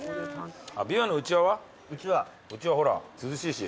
うちわほら涼しいし。